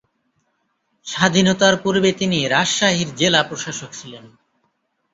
স্বাধীনতার পূর্বে তিনি রাজশাহীর জেলা প্রশাসক ছিলেন।